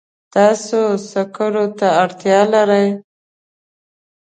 تاسو سکرو ته اړتیا لرئ.